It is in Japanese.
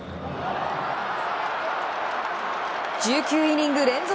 １９イニング連続